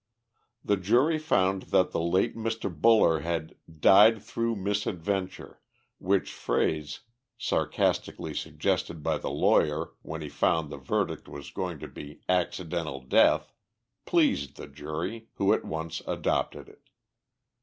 The jury found that the late Mr. Buller had "died through misadventure," which phrase, sarcastically suggested by the lawyer when he found that the verdict was going to be "accidental death," pleased the jury, who at once adopted it.